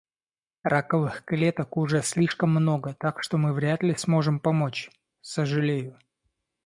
Раковых клеток уже слишком много, так что мы вряд ли сможем помочь. Сожалею...